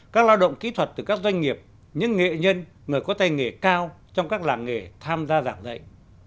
các lao động kỹ thuật từ các doanh nghiệp những nghệ nhân người có tay nghề cao trong các làng nghề tham gia giảng dạy